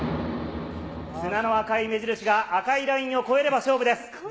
綱の赤い目印が赤いラインを越えれば勝負です。